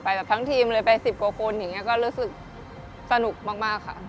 แบบทั้งทีมเลยไป๑๐กว่าคนอย่างนี้ก็รู้สึกสนุกมากค่ะ